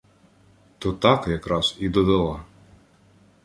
То так якраз і додала.